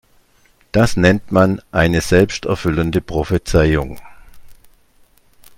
Das nennt man eine selbsterfüllende Prophezeiung.